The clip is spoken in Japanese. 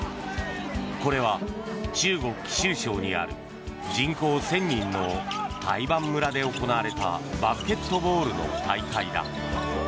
これは中国・貴州省にある人口１０００人の台盤村で行われたバスケットボールの大会だ。